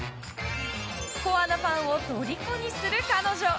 コアなファンをとりこにする彼女。